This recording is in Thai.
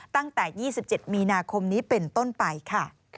ตั้งแต่๒๗มีนาคมนี้เป็นต้นไปค่ะ